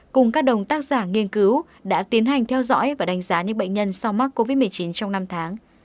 cùng các đồng tác giả nghiên cứu đã tiến hành theo dõi và đánh giá những bệnh nhân sau mắc covid một mươi chín trong năm tháng